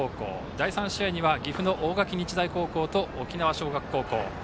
第３試合には岐阜の大垣日大高校と沖縄尚学高校。